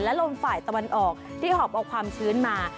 ลมฝ่ายตะวันออกที่หอบเอาความชื้นมา